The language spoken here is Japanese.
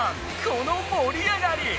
この盛り上がり！